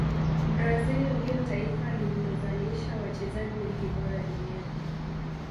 brazil ndio taifa lililozalisha wachezaji wengi bora duniani